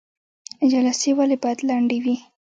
جلسې ولې باید لنډې وي؟